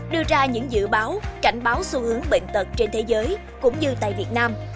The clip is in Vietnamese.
đưa ra những dự báo cảnh báo xu hướng bệnh tật trên thế giới cũng như tại việt nam